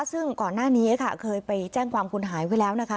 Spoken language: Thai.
ซึ่งก่อนหน้านี้ค่ะเคยไปแจ้งความคุณหายไว้แล้วนะคะ